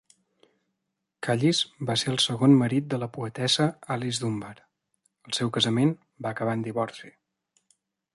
Callis va ser el segon marit de la poetessa Alice Dunbar; el seu casament va acabar en divorci.